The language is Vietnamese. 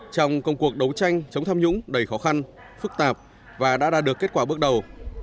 trong công cuộc đấu tranh chống tham nhũng đầy khó khăn phức tạp và đã đạt được kết quả bước đầu